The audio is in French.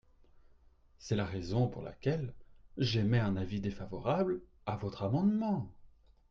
C’est la raison pour laquelle j’émets un avis défavorable à votre amendement.